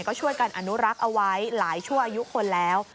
ก็ช่วยกันอนุรักษ์เอาไว้หลายชั่วอายุคนแล้ว